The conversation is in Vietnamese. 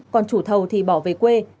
còn chủ thầu thì bỏ về quê